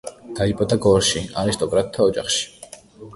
დაიბადა გორში, არისტოკრატთა ოჯახში.